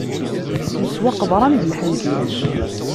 Yeswa qeḍran d lḥentit.